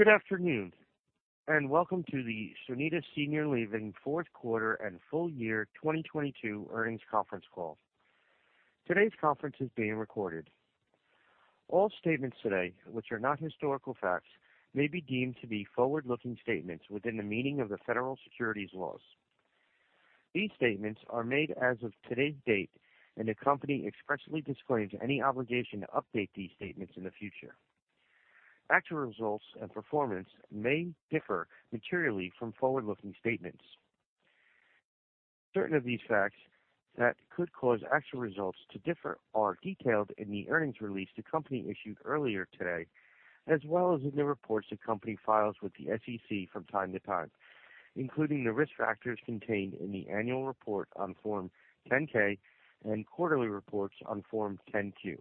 Good afternoon, and welcome to the Sonida Senior Living Fourth Quarter and Full Year 2022 Earnings Conference Call. Today's conference is being recorded. All statements today which are not historical facts may be deemed to be forward-looking statements within the meaning of the federal securities laws. These statements are made as of today's date, and the company expressly disclaims any obligation to update these statements in the future. Actual results and performance may differ materially from forward-looking statements. Certain of these facts that could cause actual results to differ are detailed in the earnings release the company issued earlier today, as well as in the reports the company files with the SEC from time to time, including the risk factors contained in the annual report on Form 10-K and quarterly reports on Form 10-Q.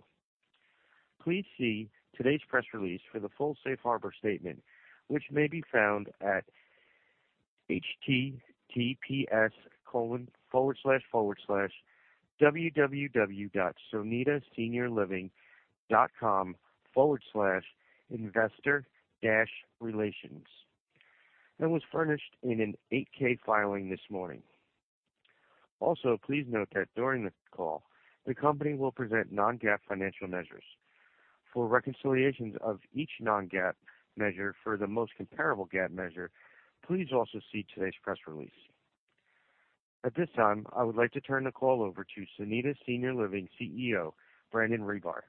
Please see today's press release for the full safe harbor statement, which may be found at https://www.sonidaseniorliving.com/investor-relations, and was furnished in an 8-K filing this morning. Also, please note that during the call, the company will present non-GAAP financial measures. For reconciliations of each non-GAAP measure for the most comparable GAAP measure, please also see today's press release. At this time, I would like to turn the call over to Sonida Senior Living Chief Executive Officer, Brandon Ribar.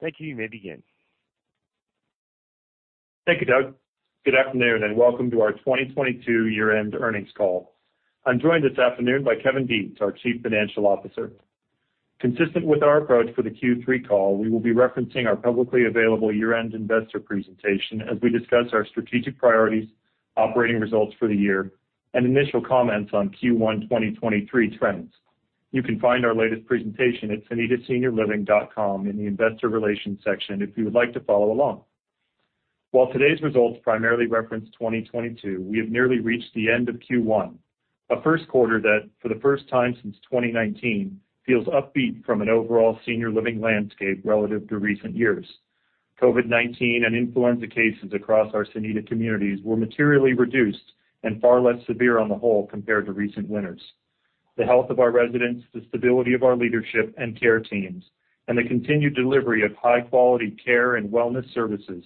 Thank you. You may begin. Thank you, Doug. Good afternoon, welcome to our 2022 year-end earnings call. I'm joined this afternoon by Kevin Detz, our Chief Financial Officer. Consistent with our approach for the Q3 call, we will be referencing our publicly available year-end investor presentation as we discuss our strategic priorities, operating results for the year, and initial comments on Q1 2023 trends. You can find our latest presentation at sonidaseniorliving.com in the investor relations section if you would like to follow along. While today's results primarily reference 2022, we have nearly reached the end of Q1, a first quarter that, for the first time since 2019, feels upbeat from an overall senior living landscape relative to recent years. COVID-19 and influenza cases across our Sonida communities were materially reduced and far less severe on the whole compared to recent winters. The health of our residents, the stability of our leadership and care teams, and the continued delivery of high-quality care and wellness services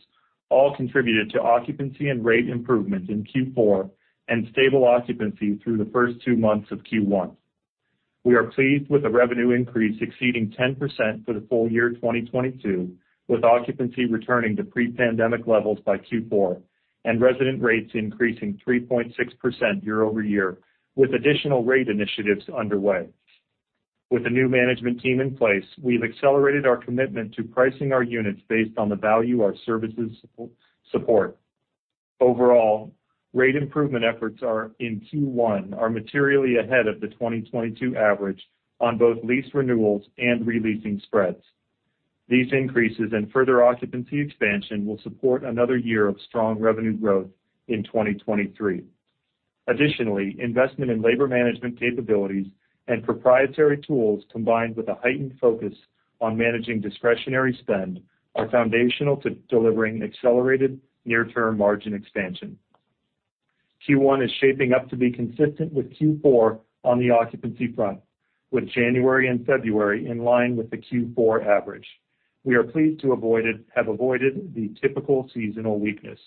all contributed to occupancy and rate improvement in Q4 and stable occupancy through the first two months of Q1. We are pleased with the revenue increase exceeding 10% for the full year 2022, with occupancy returning to pre-pandemic levels by Q4, and resident rates increasing 3.6% year-over-year, with additional rate initiatives underway. With a new management team in place, we've accelerated our commitment to pricing our units based on the value our services support. Overall, rate improvement efforts in Q1 are materially ahead of the 2022 average on both lease renewals and re-leasing spreads. These increases and further occupancy expansion will support another year of strong revenue growth in 2023. Additionally, investment in labor management capabilities and proprietary tools combined with a heightened focus on managing discretionary spend are foundational to delivering accelerated near-term margin expansion. Q1 is shaping up to be consistent with Q4 on the occupancy front, with January and February in line with the Q4 average. We are pleased to have avoided the typical seasonal weakness.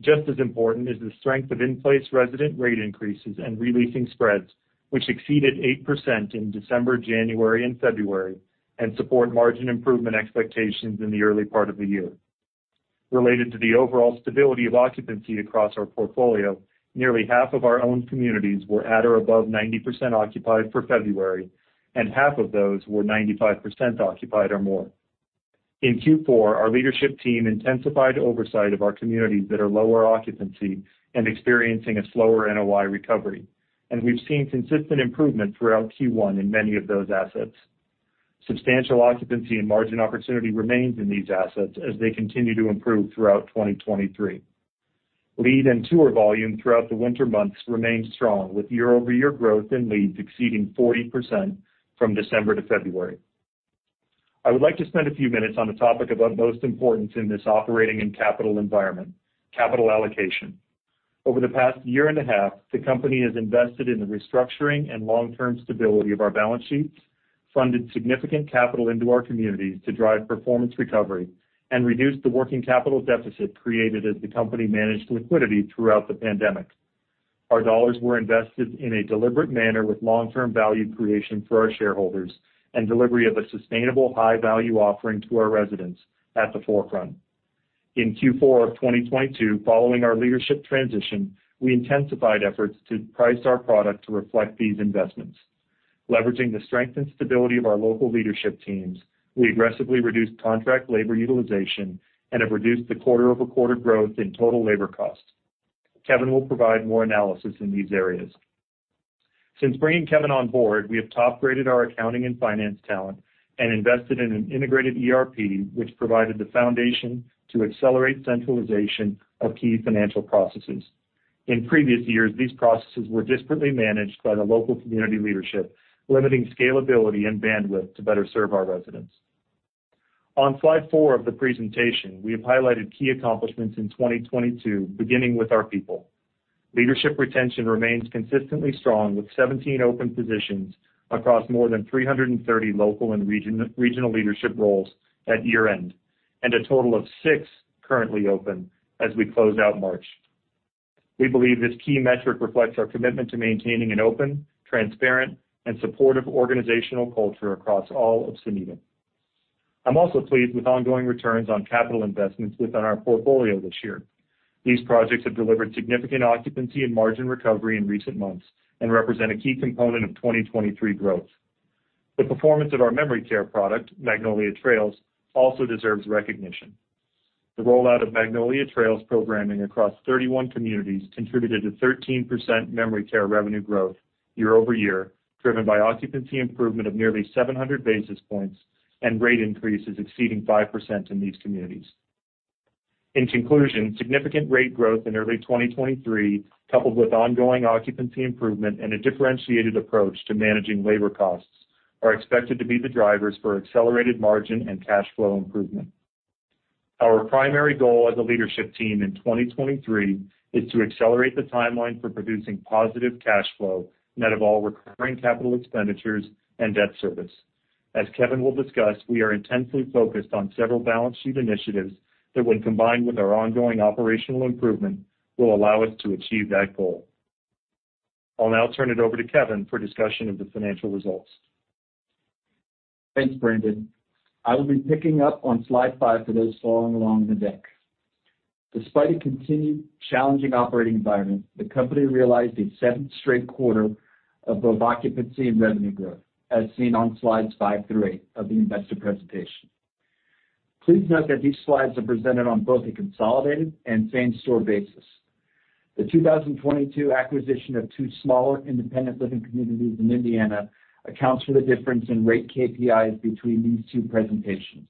Just as important is the strength of in-place resident rate increases and re-leasing spreads, which exceeded 8% in December, January, and February, and support margin improvement expectations in the early part of the year. Related to the overall stability of occupancy across our portfolio, nearly half of our own communities were at or above 90% occupied for February, and half of those were 95% occupied or more. In Q4, our leadership team intensified oversight of our communities that are lower occupancy and experiencing a slower NOI recovery. We've seen consistent improvement throughout Q1 in many of those assets. Substantial occupancy and margin opportunity remains in these assets as they continue to improve throughout 2023. Lead and tour volume throughout the winter months remained strong, with year-over-year growth in leads exceeding 40% from December to February. I would like to spend a few minutes on the topic of utmost importance in this operating and capital environment, capital allocation. Over the past year and a half, the company has invested in the restructuring and long-term stability of our balance sheets, funded significant capital into our communities to drive performance recovery, and reduced the working capital deficit created as the company managed liquidity throughout the pandemic. Our dollars were invested in a deliberate manner with long-term value creation for our shareholders and delivery of a sustainable high-value offering to our residents at the forefront. In Q4 of 2022, following our leadership transition, we intensified efforts to price our product to reflect these investments. Leveraging the strength and stability of our local leadership teams, we aggressively reduced contract labor utilization and have reduced the quarter-over-quarter growth in total labor costs. Kevin will provide more analysis in these areas. Since bringing Kevin on board, we have top-graded our accounting and finance talent and invested in an integrated ERP, which provided the foundation to accelerate centralization of key financial processes. In previous years, these processes were disparately managed by the local community leadership, limiting scalability and bandwidth to better serve our residents. On slide four of the presentation, we have highlighted key accomplishments in 2022, beginning with our people. Leadership retention remains consistently strong with 17 open positions across more than 330 local and regional leadership roles at year-end. A total of six currently open as we close out March. We believe this key metric reflects our commitment to maintaining an open, transparent, and supportive organizational culture across all of Sonida. I'm also pleased with ongoing returns on capital investments within our portfolio this year. These projects have delivered significant occupancy and margin recovery in recent months and represent a key component of 2023 growth. The performance of our memory care product, Magnolia Trails, also deserves recognition. The rollout of Magnolia Trails programming across 31 communities contributed to 13% memory care revenue growth year-over-year, driven by occupancy improvement of nearly 700 basis points and rate increases exceeding 5% in these communities. In conclusion, significant rate growth in early 2023, coupled with ongoing occupancy improvement and a differentiated approach to managing labor costs, are expected to be the drivers for accelerated margin and cash flow improvement. Our primary goal as a leadership team in 2023 is to accelerate the timeline for producing positive cash flow net of all recurring capital expenditures and debt service. As Kevin will discuss, we are intensely focused on several balance sheet initiatives that when combined with our ongoing operational improvement, will allow us to achieve that goal. I'll now turn it over to Kevin for discussion of the financial results. Thanks, Brandon. I will be picking up on slide five for those following along in the deck. Despite a continued challenging operating environment, the company realized a seventh straight quarter of both occupancy and revenue growth, as seen on slides five through eight of the investor presentation. Please note that these slides are presented on both a consolidated and same-store basis. The 2022 acquisition of two smaller independent living communities in Indiana accounts for the difference in rate KPIs between these two presentations.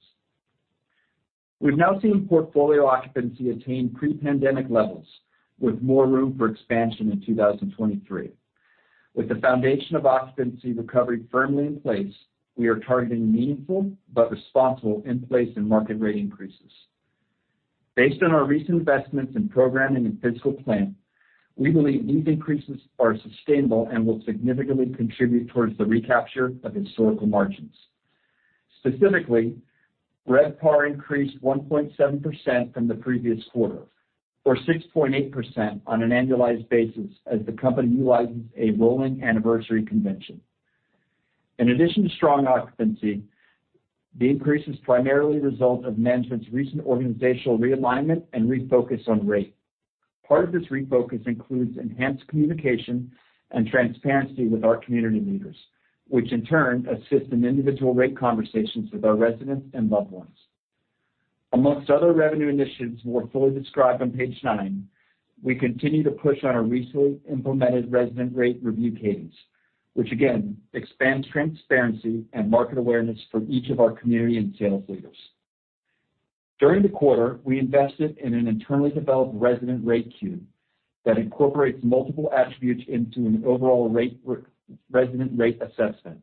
We've now seen portfolio occupancy attain pre-pandemic levels with more room for expansion in 2023. With the foundation of occupancy recovery firmly in place, we are targeting meaningful but responsible in-place and market rate increases. Based on our recent investments in programming and physical plan, we believe these increases are sustainable and will significantly contribute towards the recapture of historical margins. Specifically, RevPAR increased 1.7% from the previous quarter, or 6.8% on an annualized basis as the company utilizes a rolling anniversary convention. In addition to strong occupancy, the increase is primarily a result of management's recent organizational realignment and refocus on rate. Part of this refocus includes enhanced communication and transparency with our community leaders, which in turn assists in individual rate conversations with our residents and loved ones. Amongst other revenue initiatives more fully described on page nine, we continue to push on our recently implemented resident rate review cadence, which again expands transparency and market awareness for each of our community and sales leaders. During the quarter, we invested in an internally developed resident rate queue that incorporates multiple attributes into an overall resident rate assessment.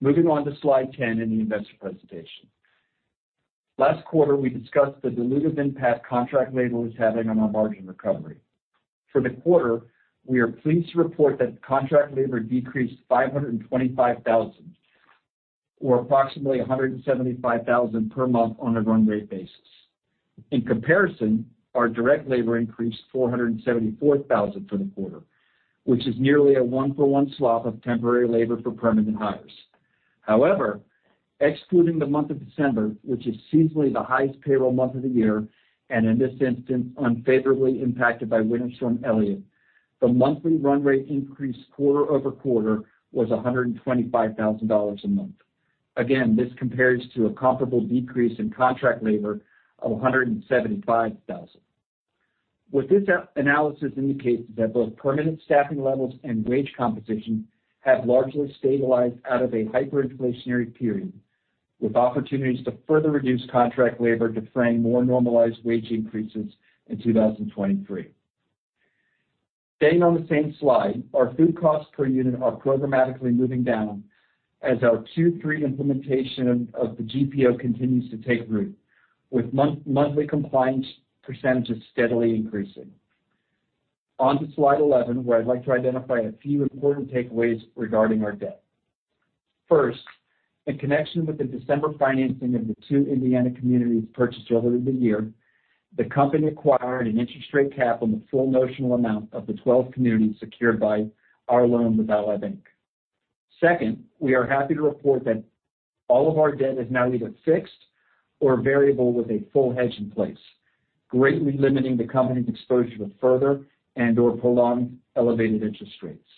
Moving on to slide 10 in the investor presentation. Last quarter, we discussed the dilutive impact contract labor was having on our margin recovery. For the quarter, we are pleased to report that contract labor decreased $525,000 or approximately $175,000 per month on a run rate basis. In comparison, our direct labor increased $474,000 for the quarter, which is nearly a one-for-one swap of temporary labor for permanent hires. However, excluding the month of December, which is seasonally the highest payroll month of the year, and in this instance, unfavorably impacted by Winter Storm Elliott, the monthly run rate increase quarter-over-quarter was $125,000 a month. Again, this compares to a comparable decrease in contract labor of $175,000. What this analysis indicates is that both permanent staffing levels and wage composition have largely stabilized out of a hyperinflationary period, with opportunities to further reduce contract labor deferring more normalized wage increases in 2023. Staying on the same slide, our food costs per unit are programmatically moving down as our Q3 implementation of the GPO continues to take root, with monthly compliance % steadily increasing. On to slide 11, where I'd like to identify a few important takeaways regarding our debt. First, in connection with the December financing of the two Indiana communities purchased earlier in the year, the company acquired an interest rate cap on the full notional amount of the 12 communities secured by our loan with Ally Bank. Second, we are happy to report that all of our debt is now either fixed or variable with a full hedge in place, greatly limiting the company's exposure to further and/or prolonged elevated interest rates.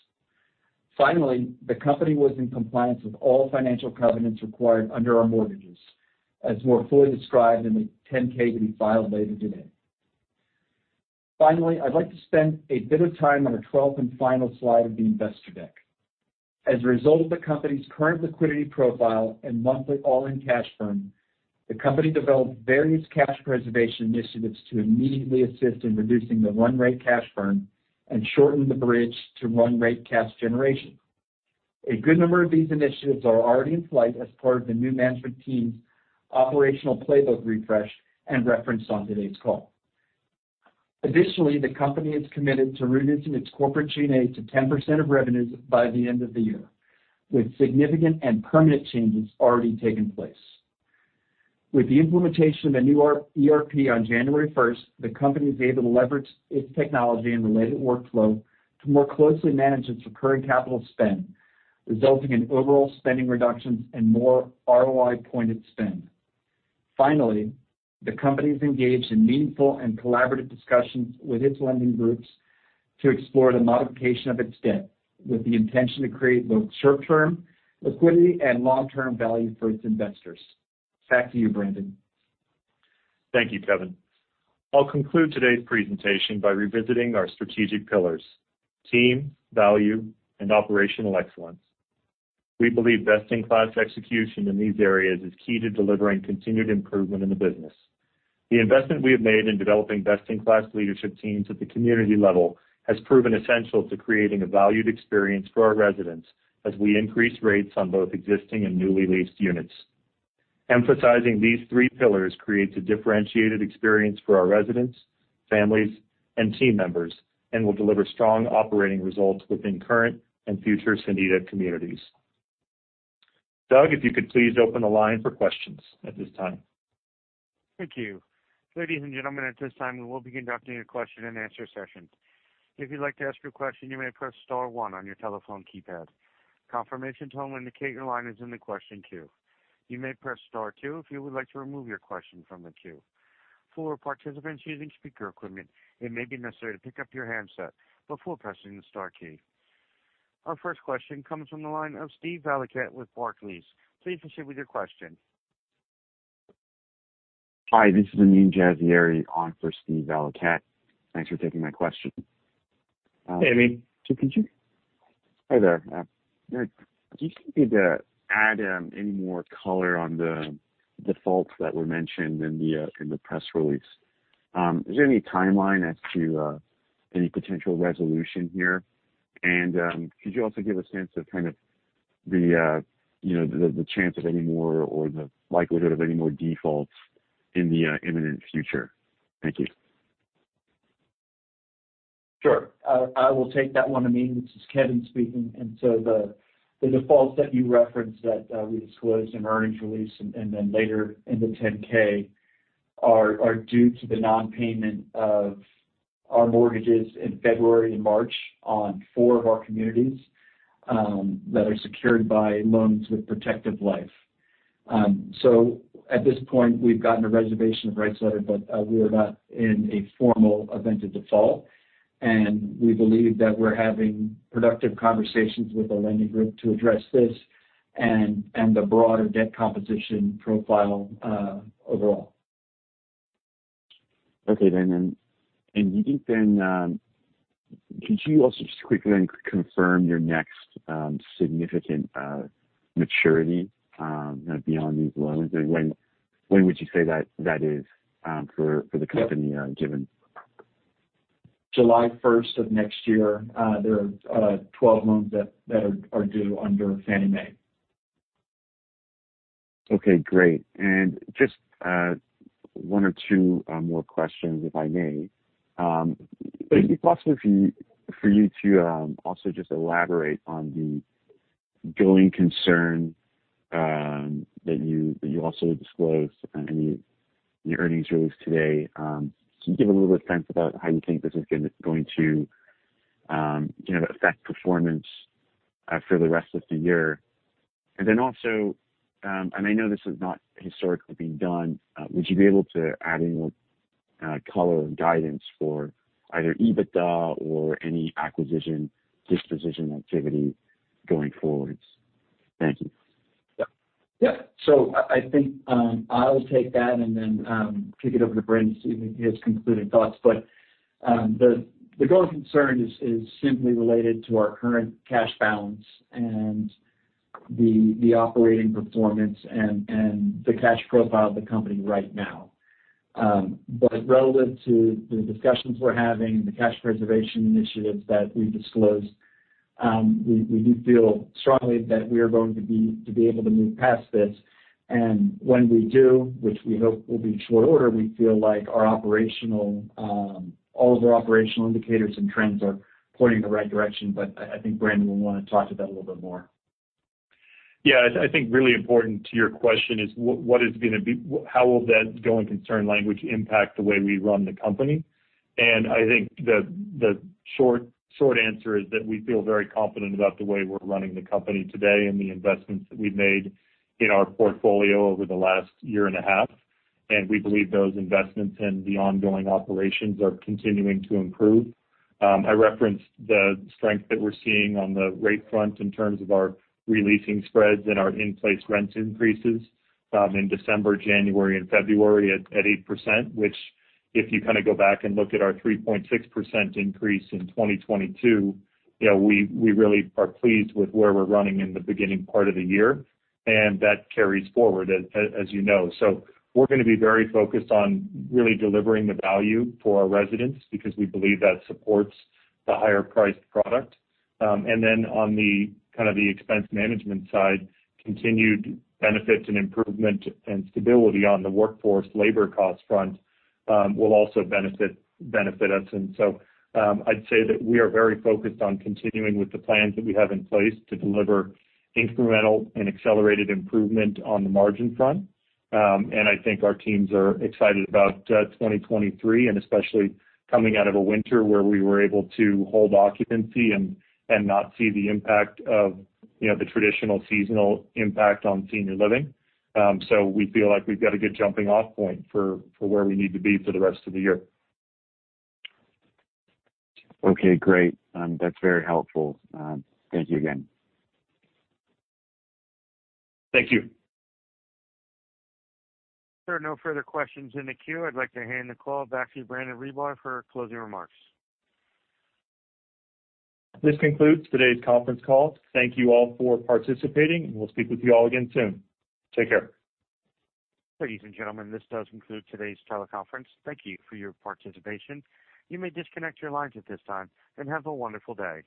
Finally, the company was in compliance with all financial covenants required under our mortgages, as more fully described in the 10-K to be filed later today. Finally, I'd like to spend a bit of time on the twelfth and final slide of the investor deck. As a result of the company's current liquidity profile and monthly all-in cash burn, the company developed various cash preservation initiatives to immediately assist in reducing the run rate cash burn and shorten the bridge to run rate cash generation. A good number of these initiatives are already in flight as part of the new management team's operational playbook refresh and referenced on today's call. Additionally, the company is committed to reducing its corporate G&A to 10% of revenues by the end of the year, with significant and permanent changes already taking place. With the implementation of a new ERP on January first, the company is able to leverage its technology and related workflow to more closely manage its recurring capital spend, resulting in overall spending reductions and more ROI pointed spend. Finally, the company is engaged in meaningful and collaborative discussions with its lending groups to explore the modification of its debt with the intention to create both short-term liquidity and long-term value for its investors. Back to you, Brandon. Thank you, Kevin. I'll conclude today's presentation by revisiting our strategic pillars: team, value, and operational excellence. We believe best-in-class execution in these areas is key to delivering continued improvement in the business. The investment we have made in developing best-in-class leadership teams at the community level has proven essential to creating a valued experience for our residents as we increase rates on both existing and newly leased units. Emphasizing these three pillars creates a differentiated experience for our residents, families, and team members and will deliver strong operating results within current and future Sonida communities. Doug, if you could please open the line for questions at this time. Thank you. Ladies and gentlemen, at this time, we will be conducting a question-and-answer session. If you'd like to ask your question, you may press star one on your telephone keypad. Confirmation tone will indicate your line is in the question queue. You may press star two if you would like to remove your question from the queue. For participants using speaker equipment, it may be necessary to pick up your handset before pressing the star key. Our first question comes from the line of Steven Valiquette with Barclays. Please proceed with your question. Hi, this is Ameen Jaser on for Steven Valiquette. Thanks for taking my question. Hey, Ameen. Hi there. Do you think you could add any more color on the defaults that were mentioned in the press release? Is there any timeline as to any potential resolution here? Could you also give a sense of kind of the, you know, the chance of any more or the likelihood of any more defaults in the imminent future? Thank you. Sure. I will take that one, Ameen. This is Kevin speaking. The, the defaults that you referenced that, we disclosed in earnings release and then later in the 10-K are due to the non-payment of our mortgages in February and March on four of our communities, that are secured by loans with Protective Life. At this point, we've gotten a reservation of rights letter, but, we are not in a formal event of default, and we believe that we're having productive conversations with the lending group to address this and the broader debt composition profile, overall. Okay then. Do you think then, could you also just quickly confirm your next, significant, maturity, beyond these loans? When would you say that is, for the company, given? July first of next year, there are 12 loans that are due under Fannie Mae. Okay, great. Just one or two more questions, if I may. Is it possible for you to also just elaborate on the going concern that you also disclosed in your earnings release today? Can you give a little bit sense about how you think this is going to, you know, affect performance for the rest of the year? Also, I know this has not historically been done, would you be able to add any more color or guidance for either EBITDA or any acquisition disposition activity going forwards? Thank you. I think I'll take that and then kick it over to Brandon to see if he has concluding thoughts. The going concern is simply related to our current cash balance and the operating performance and the cash profile of the company right now. Relative to the discussions we're having, the cash preservation initiatives that we disclosed, we do feel strongly that we are going to be able to move past this. When we do, which we hope will be short order, we feel like our operational, all of our operational indicators and trends are pointing in the right direction. I think Brandon will wanna talk to that a little bit more. Yeah. I think really important to your question is how will that going concern language impact the way we run the company? I think the short answer is that we feel very confident about the way we're running the company today and the investments that we've made in our portfolio over the last year and a half, and we believe those investments and the ongoing operations are continuing to improve. I referenced the strength that we're seeing on the rate front in terms of our re-leasing spreads and our in-place rent increases, in December, January and February at 8%, which if you kind of go back and look at our 3.6% increase in 2022, you know, we really are pleased with where we're running in the beginning part of the year, and that carries forward as you know. We're gonna be very focused on really delivering the value for our residents because we believe that supports the higher priced product. On the kind of the expense management side, continued benefits and improvement and stability on the workforce labor cost front, will also benefit us. I'd say that we are very focused on continuing with the plans that we have in place to deliver incremental and accelerated improvement on the margin front. I think our teams are excited about 2023 and especially coming out of a winter where we were able to hold occupancy and not see the impact of, you know, the traditional seasonal impact on senior living. We feel like we've got a good jumping off point for where we need to be for the rest of the year. Okay, great. That's very helpful. Thank you again. Thank you. If there are no further questions in the queue, I'd like to hand the call back to Brandon Ribar for closing remarks. This concludes today's conference call. Thank you all for participating. We'll speak with you all again soon. Take care. Ladies and gentlemen, this does conclude today's teleconference. Thank you for your participation. You may disconnect your lines at this time. Have a wonderful day.